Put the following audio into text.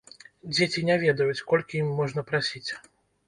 Дзеці не ведаюць, колькі ім можна прасіць.